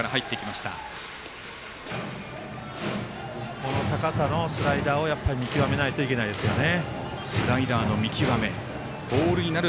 この高さのスライダーを見極めないといけないですよね。